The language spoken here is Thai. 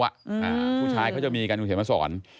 ผู้ชายเค้าจะมีการเขียนมาสอน